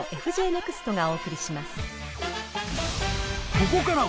［ここからは］